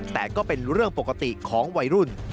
แต่ก็เป็นเรื่องปกติของวัยรุ่น